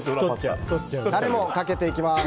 タレをかけていきます。